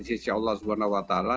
insya allah subhanahu wa ta'ala